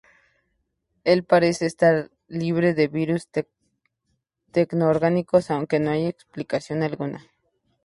Él parece estar libre del virus tecno-orgánico, aunque no hay explicación alguna.